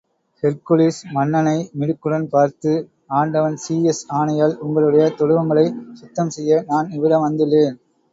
Hercules மன்னனை மிடுக்குடன் பார்த்து, ஆண்டவன் சீயஸ் ஆணையால் உங்களுடைய தொழுவங்களைச் சுத்தம் செய்ய நான் இவ்விடம் வந்துள்ளேன்.